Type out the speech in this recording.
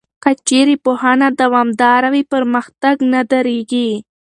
که چېرې پوهنه دوامداره وي، پرمختګ نه درېږي.